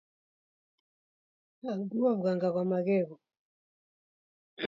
Naghua w'ughanga ghwa maghegho